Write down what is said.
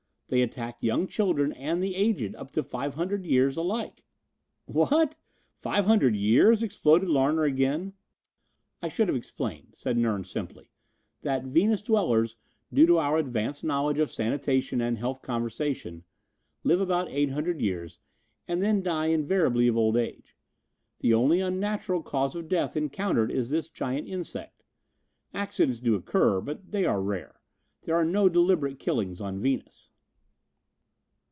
They attack young children and the aged, up to five hundred years, alike." "What! Five hundred years?" exploded Larner again. "I should have explained," said Nern, simply, "that Venus dwellers, due to our advanced knowledge of sanitation and health conversation, live about 800 years and then die invariably of old age. The only unnatural cause of death encountered is this giant insect. Accidents do occur, but they are rare. There are no deliberate killings on Venus."